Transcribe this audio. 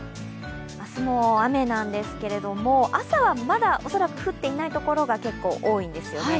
明日も雨ですが、朝はまだ恐らく降っていないところが結構、多いんですよね。